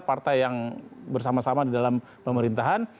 partai yang bersama sama di dalam pemerintahan